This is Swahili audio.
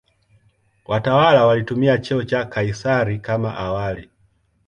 Watawala walitumia cheo cha "Kaisari" kama awali.